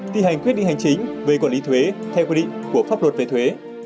ti hành quyết định hành chính về quản lý thuế theo quy định của pháp luật về thuế